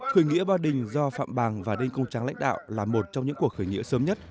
khởi nghĩa ba đình do phạm bàng và đinh công tráng lãnh đạo là một trong những cuộc khởi nghĩa sớm nhất